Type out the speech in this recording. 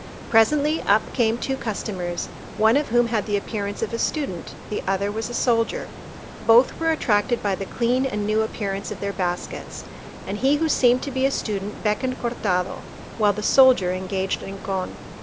Presently up came two customers, one of whom had the appearance of a Student, the other was a Soldier; both were attracted by the clean and new appearance of their baskets; and he who seemed to be a student beckoned Cortado, while the soldier engaged Rincon.